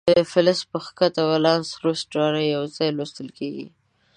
د فلز په ښکته ولانس روستاړي یو ځای لوستل کیږي.